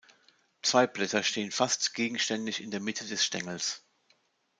Zwei Blätter stehen fast gegenständig in der Mitte des Stängels.